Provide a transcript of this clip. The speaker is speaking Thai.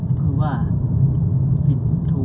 คุณผู้ชายเล่าจริงว่า